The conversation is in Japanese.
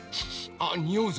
あっにおうぞ！